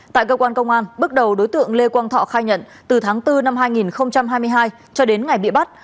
tại cơ quan công an bước đầu đối tượng lê quang thọ khai nhận từ tháng bốn năm hai nghìn hai mươi hai cho đến ngày bị bắt